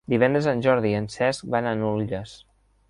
Divendres en Jordi i en Cesc van a Nulles.